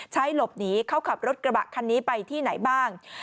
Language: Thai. ใช้หลบหนีเขาขับรถกระบะคันนี้ไปที่ไหนบ้าง